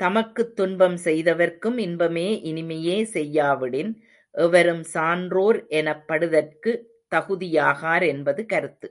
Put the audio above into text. தமக்குத் துன்பம் செய்தவர்க்கும் இன்பமே இனிமையே செய்யாவிடின், எவரும் சான்றோர் எனப் படுதற்குத் தகுதியாகார் என்பது கருத்து.